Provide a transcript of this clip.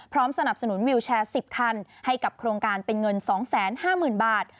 สนับสนุนวิวแชร์๑๐คันให้กับโครงการเป็นเงิน๒๕๐๐๐บาท